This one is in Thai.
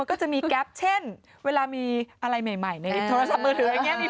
ก็จะมีแก๊ปเช่นเวลามีอะไรใหม่ในโทรศัพท์มือถืออย่างนี้